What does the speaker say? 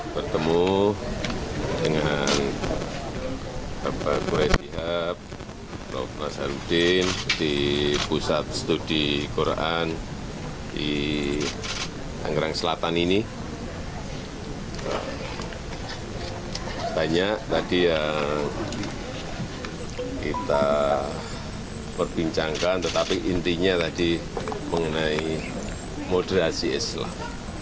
perbincangkan tetapi intinya tadi mengenai moderasi islam